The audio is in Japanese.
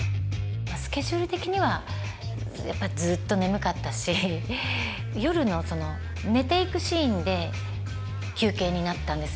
スケジュール的にはやっぱりずっと眠かったし夜の寝ていくシーンで休憩になったんです